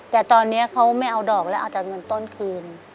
แต่ตอนนี้เขาไม่เอาดอกแล้วอาจจะเงินต้นคืน